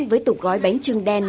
với tục gói bánh trưng đen